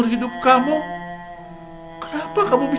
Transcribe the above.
minta maaf peluk mami